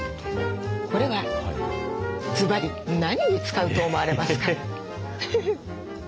これはずばり何に使うと思われますか？